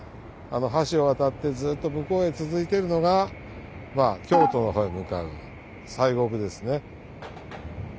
橋を渡ってずっと向こうへ続いてるのがまあ京都の方へ向かう西国ですね。